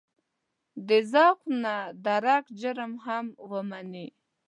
د ذوق د نه درک جرم هم ومني.